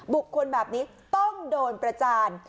บุคคลเงียนเฉียบต้องโดนประจาน